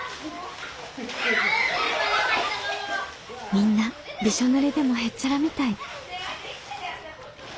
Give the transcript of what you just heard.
みんなびしょぬれでもへっちゃらみたい。